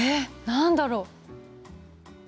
何だろう？